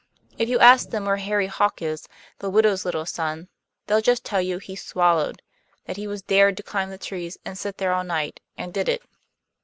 If you ask them where Harry Hawke is, the widow's little son, they'll just tell you he's swallowed; that he was dared to climb the trees and sit there all night, and did it.